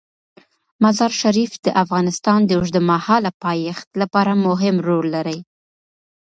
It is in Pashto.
مزارشریف د افغانستان د اوږدمهاله پایښت لپاره مهم رول لري.